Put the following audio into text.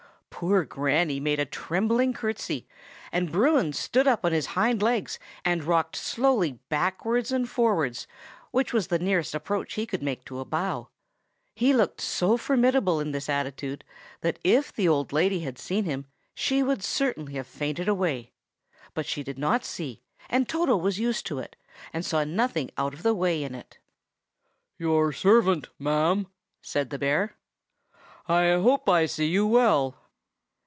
Poor Granny made a trembling courtesy, and Bruin stood up on his hind legs and rocked slowly backwards and forwards, which was the nearest approach he could make to a bow. (N. B. He looked so very formidable in this attitude, that if the old lady had seen him, she would certainly have fainted away. But she did not see, and Toto was used to it, and saw nothing out of the way in it.) "Your servant, ma'am," said the bear. "I hope I see you well."